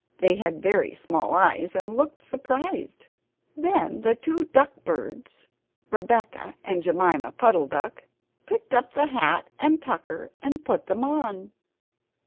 They had very small eyes and looked surprised. Then the two duck birds, Rebeccah and Jemima Puddle duck, picked up the hat and tucker and put them on.